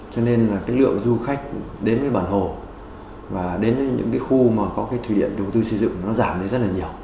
cho nên là cái lượng du khách đến cái bản hồ và đến những cái khu mà có cái thủy điện đầu tư xây dựng nó giảm đi rất là nhiều